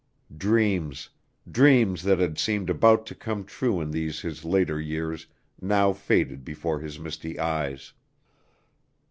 Dreams dreams that had seemed about to come true in these his later years now faded before his misty eyes.